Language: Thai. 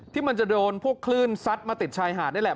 ที่มันจะโดนพวกคลื่นซัดมาติดชายหาดนี่แหละ